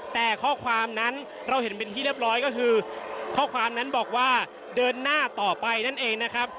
แต่ข้อความนั้นเราเห็นเป็นที่เรียบร้อยก็คือข้อความนั้นบอกว่าเดินหน้าต่อไปนั่นเองนะครับ